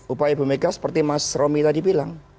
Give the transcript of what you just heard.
upaya ibu mega seperti mas romi tadi bilang